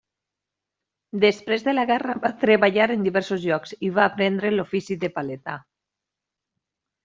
Després de la guerra va treballar en diversos llocs i va aprendre l'ofici de paleta.